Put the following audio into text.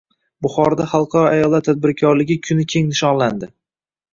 Buxoroda xalqaro ayollar tadbirkorligi kuni keng nishonlandi